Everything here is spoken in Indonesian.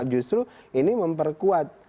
justru ini memperkuat